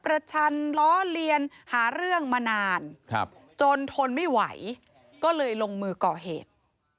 ชันล้อเลียนหาเรื่องมานานจนทนไม่ไหวก็เลยลงมือก่อเหตุ